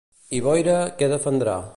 I Boira què defendrà?